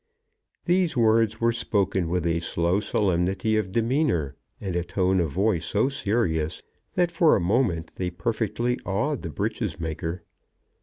These words were spoken with a slow solemnity of demeanour, and a tone of voice so serious that for a moment they perfectly awed the breeches maker.